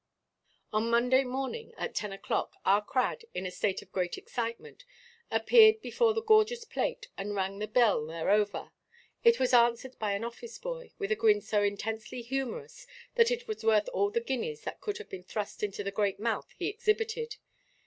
On Monday morning at ten oʼclock, our Crad, in a state of large excitement, appeared before the gorgeous plate, and rang the bell thereover. It was answered by an office–boy, with a grin so intensely humorous that it was worth all the guineas that could have been thrust into the great mouth he exhibited.